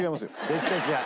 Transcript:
絶対違う。